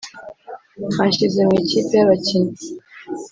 Banshyize mu ikipe y’abakinnyi